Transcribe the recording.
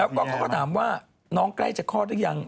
แล้วก็เขาก็ถามว่าน้องใกล้จะคลอดหรือยัง